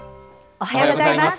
おはようございます。